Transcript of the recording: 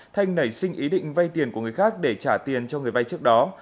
thanh nảy sinh ý định vay tiền của người khác để trả tiền cho người vay trước đó